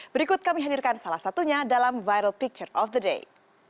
berikut kami hadirkan salah satunya dalam viral picture of the day